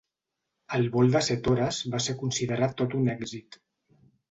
El vol de set hores va ser considerat tot un èxit.